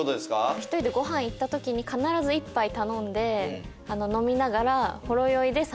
１人でご飯行ったときに必ず１杯頼んで飲みながら。